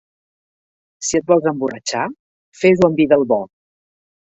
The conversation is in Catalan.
Si et vols emborratxar, fes-ho amb vi del bo.